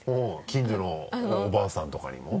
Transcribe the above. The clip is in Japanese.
近所のおばあさんとかにも？